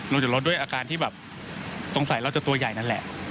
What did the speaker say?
ลงจากรถด้วยอาการที่แบบสงสัยเราจะตัวใหญ่นั่นแหละ